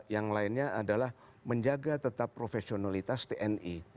yang lainnya adalah menjaga tetap profesionalitas tni